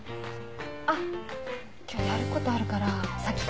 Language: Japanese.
あっ今日やることあるから先帰ってて。